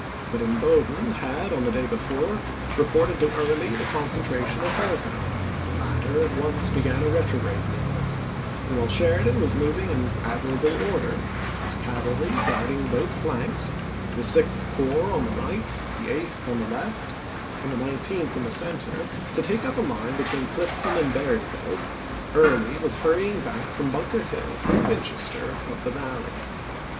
But Imboden had, on the day before, reported to Early the concentration at Halltown; the latter at once began a retrograde movement ; and while Sheridan was moving in admirable order, his cavalry guarding both flanks, the Sixth Corps on the right, the Eighth on the left, and the Nine teenth in the center, to take up a line between Clifton and Berryville, Early was hurrying back from Bunker Hill, through Winchester, up the Valley.